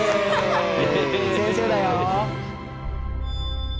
先生だよ。